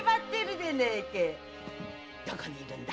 どこにいるんだ？